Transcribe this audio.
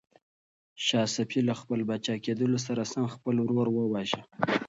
شاه صفي له خپل پاچا کېدلو سره سم خپل ورور وواژه.